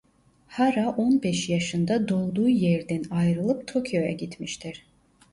Hara on beş yaşında doğduğu yerden ayrılıp Tokyoya gitmiştir.